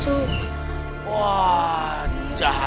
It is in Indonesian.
satu barang masanya